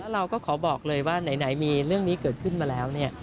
เราก็ขอบอกเลยว่าไหนมีเรื่องนี้เกิดขึ้นมาแล้ว